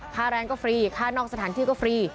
ค่าแรงก็ฟรีค่านอกสถานที่ก็ฟรี